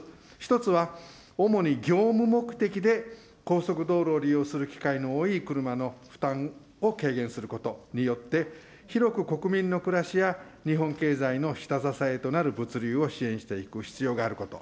１つは主に業務目的で高速道路を利用する機会の多い車の負担を軽減することによって、広く国民の暮らしや日本経済の下支えとなる物流を支援していく必要があること。